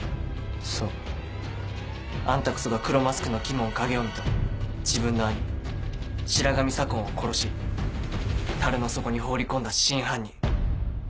そうあんたこそが黒マスクの鬼門影臣と自分の兄・白神左紺を殺し樽の底に放り込んだ真犯人。